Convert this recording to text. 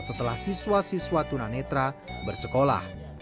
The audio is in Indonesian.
setelah siswa siswa tuna netra bersekolah